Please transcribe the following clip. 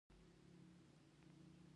هغه د ټوکر اوبدلو تولیدي ماشینونه لري